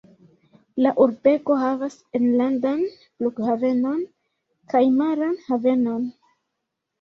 La urbego havas enlandan flughavenon kaj maran havenon.